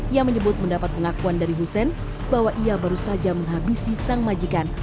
ia menyebut mendapat pengakuan dari hussein bahwa ia baru saja menghabisi sang majikan